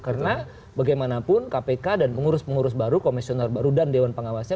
karena bagaimanapun kpk dan pengurus pengurus baru komisioner baru dan dewan pengawasnya